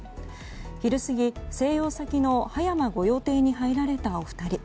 昼過ぎ、静養先の葉山御用邸に入られたお二人。